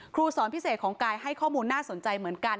ครูสอนพิเศษของกายให้ข้อมูลน่าสนใจเหมือนกัน